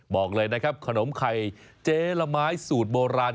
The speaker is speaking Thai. บอกเลยนะครับขนมไข่เจ๊ละไม้สูตรโบราณ